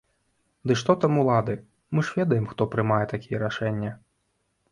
Ды што там улады, мы ж ведаем, хто прымае такія рашэнне.